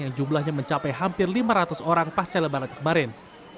yang jumlahnya mencapai hampir lima ratus orang pasca lebaran kemarin